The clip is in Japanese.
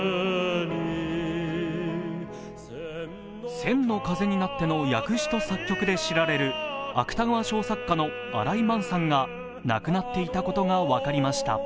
「千の風になって」になって訳詞と作曲で知られる芥川賞作家の新井満さんが亡くなっていたことが分かりました。